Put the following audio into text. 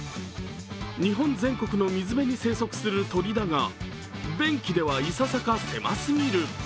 日本全国の水辺に生息する鳥だが便器では、いささか狭すぎる。